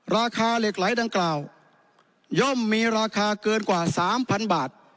ราคาเหล็กไหลดังกล่าวย่อมมีราคาเกินกว่า๓๐๐บาท